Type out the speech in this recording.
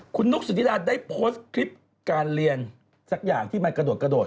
คุณนุ๊กสุธิดาได้โพสต์คลิปการเรียนสักอย่างที่มันกระโดดกระโดด